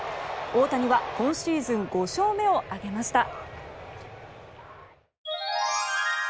大谷は今シーズン５勝目を挙げました。